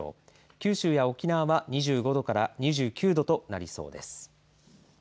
九州や沖縄は２５度から２９度となりそうです。